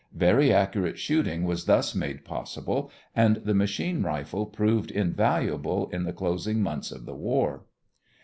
Very accurate shooting was thus made possible, and the machine rifle proved invaluable in the closing months of the war.